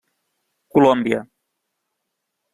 Colòmbia.